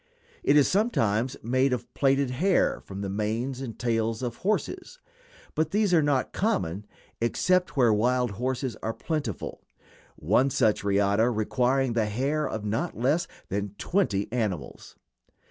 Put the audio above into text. It is sometimes made of plaited hair from the manes and tails of horses, but these are not common except where wild horses are plentiful, one such riata requiring the hair of not less than twenty animals.